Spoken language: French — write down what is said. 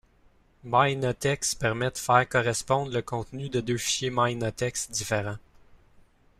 MyNotex permet de faire correspondre le contenu de deux fichiers MyNotex différents.